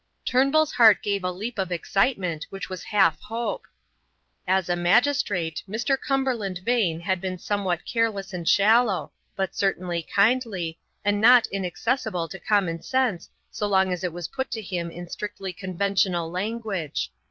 Turnbull's heart gave a leap of excitement which was half hope. As a magistrate Mr. Cumberland Vane had been somewhat careless and shallow, but certainly kindly, and not inaccessible to common sense so long as it was put to him in strictly conventional language.